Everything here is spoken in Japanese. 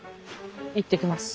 行ってきます。